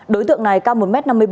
đối tượng này cao một m năm mươi bảy